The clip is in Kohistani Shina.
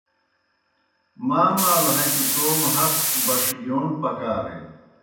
ماں مالوْ ہتیْ توموْ حق بَݜگِیون پکارِن۔